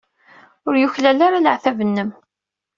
Ur yuklal ara leɛtab-nnem.